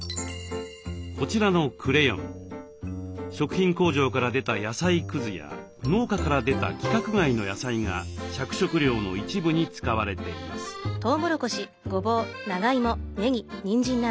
こちらのクレヨン食品工場から出た野菜くずや農家から出た規格外の野菜が着色料の一部に使われています。